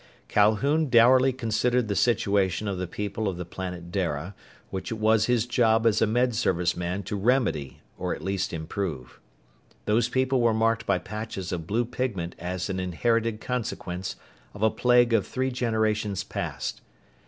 Calhoun dourly considered the situation of the people of the planet Dara, which it was his job as a Med Service man to remedy or at least improve. Those people were marked by patches of blue pigment as an inherited consequence of a plague of three generations past.